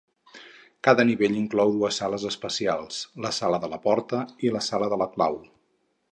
Cada nivell inclou dues sales especials, la Sala de la Porta i la Sala de la Clau.